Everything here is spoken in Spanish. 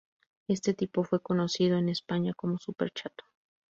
Este tipo fue conocido en España como Super Chato.